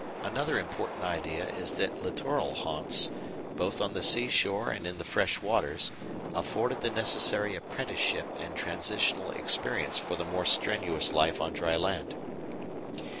Another important idea is that littoral haunts, both on the seashore and in the freshwaters, afforded the necessary apprenticeship and transitional experience for the more strenuous life on dry land.